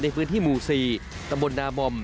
ในพื้นที่หมู่๔ตำบลนามอม